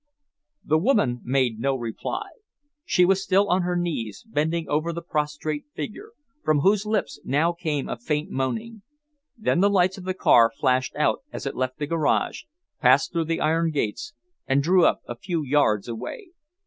The woman made no reply. She was still on her knees, bending over the prostrate figure, from whose lips now came a faint moaning. Then the lights of the car flashed out as it left the garage, passed through the iron gates and drew up a few yards away.